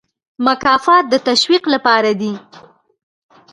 مکافات د تشویق لپاره دي